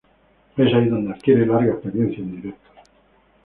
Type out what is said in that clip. Es ahí donde adquiere larga experiencia en directos.